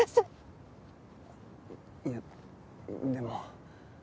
いやでも。